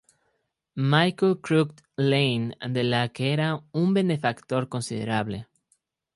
Michael, Crooked Lane, de la que era un benefactor considerable.